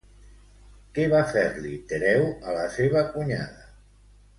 Què va fer-li Tereu a la seva cunyada?